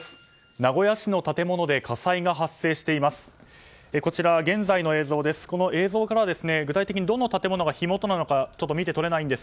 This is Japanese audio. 名古屋市の建物で火災が発生しています。